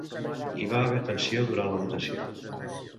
Hi va haver tensió durant la votació